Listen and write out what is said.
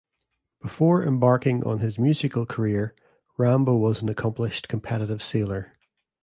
Before embarking on his musical career, Rambo was an accomplished competitive sailor.